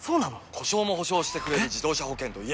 故障も補償してくれる自動車保険といえば？